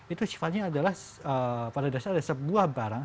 itu sifatnya adalah pada dasar ada sebuah barang